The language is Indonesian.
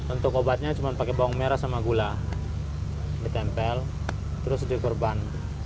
untuk obatnya cuma pakai bawang merah sama gula ditempel terus dikorban